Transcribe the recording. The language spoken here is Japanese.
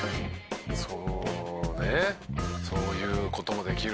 「そうねそういう事もできるね」